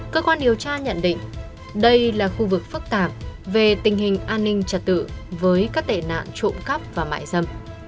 cơ quan điều tra nhận định đây là khu vực phức tạp về tình hình an ninh trật tự với các tệ nạn trộm cắp và mại dâm